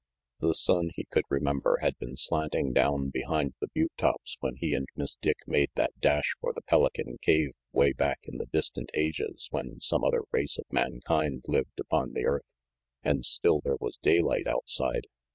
The sun, he could remember, had been slanting down behind the butte tops when he and Miss Dick made that dash for the Pelican cave way back in the distant ages when some other race of mankind lived upon the earth. And still there was daylight outside.